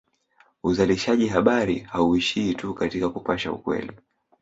Uzalishaji habari hauishii tu katika kupasha ukweli